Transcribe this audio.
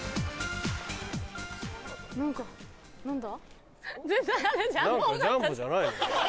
何か何だ？